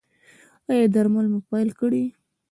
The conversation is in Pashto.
ایا درمل مو پیل کړي دي؟